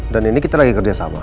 dan ini kita lagi kerja sama